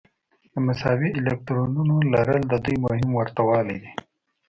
د مساوي الکترونونو لرل د دوی مهم ورته والی دی.